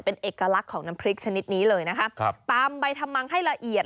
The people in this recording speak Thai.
เป็นเอกลักษณ์ของน้ำพริกชนิดนี้เลยนะคะครับตามใบทำมังให้ละเอียด